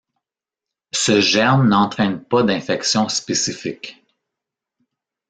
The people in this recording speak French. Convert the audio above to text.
Ce germe n'entraîne pas d'infection spécifique.